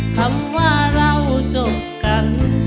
คำว่าเราจบกัน